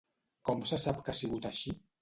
Com se sap que ha sigut així?